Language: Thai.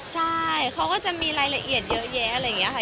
ใช่เค้าก็จะมีรายละเอียดเยอะแยะ